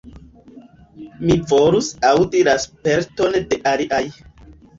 Mi volus aŭdi la sperton de aliaj.